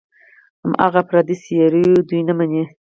هماغه افراطي څېرې دوی نه مني.